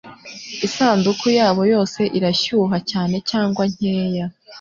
isanduku yabo yose irashyuha cyane cyangwa nkeya